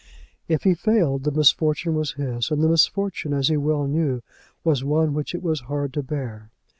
If he failed, the misfortune was his; and the misfortune, as he well knew, was one which it was hard to bear.